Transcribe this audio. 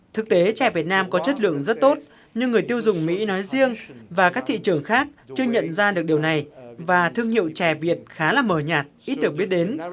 thực tế chè việt nam có chất lượng rất tốt nhưng người tiêu dùng mỹ nói riêng và các thị trường khác chưa nhận ra được điều này và thương hiệu chè việt khá là mờ nhạt ít được biết đến